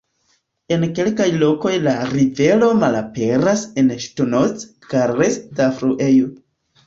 En kelkaj lokoj la rivero "malaperas" en la ŝtonoz-karsta fluejo.